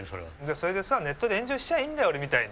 それでさネットで炎上しちゃーいいんだよ俺みたいに！